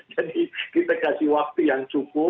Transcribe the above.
jadi kita kasih waktu yang cukup